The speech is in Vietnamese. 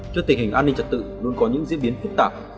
trước tình hình an ninh trật tự luôn có những diễn biến phức tạp